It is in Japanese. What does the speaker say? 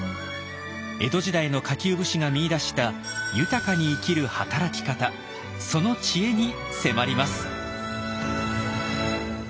江戸時代の下級武士が見いだした“豊かに生きる”働き方その知恵に迫ります。